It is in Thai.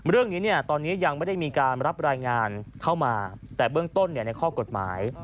เรื่องนี้ตอนนี้ยังไม่ได้มีการรับรายงานเข้ามาแต่เบื้องต้นในข้อกฎหมาย